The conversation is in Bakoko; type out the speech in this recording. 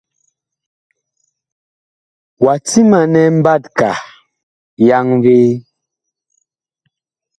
Wa timanɛ mbatka yaŋvee?